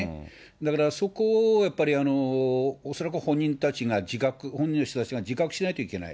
だから、そこをやっぱり、恐らく本人の人たちが自覚しなきゃいけない。